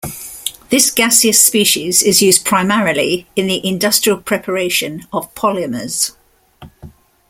This gaseous species is used primarily in the industrial preparation of polymers.